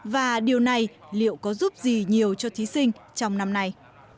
và điều này liệu có giúp gì nhiều cho thí sinh trong năm nay